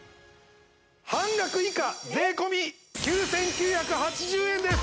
半額以下税込９９８０円です！